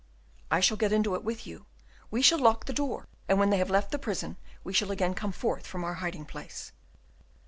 "I shall get into it with you. We shall lock the door and when they have left the prison, we shall again come forth from our hiding place."